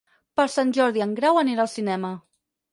Per Sant Jordi en Grau anirà al cinema.